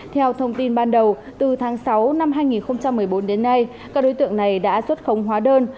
theo thông tin ban đầu từ tháng sáu năm hai nghìn một mươi bốn đến nay các đối tượng này đã xuất khống hóa đơn